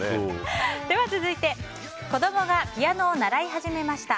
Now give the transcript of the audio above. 続いて子供がピアノを習い始めました。